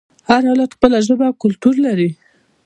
هر ایالت خپله ژبه او کلتور لري.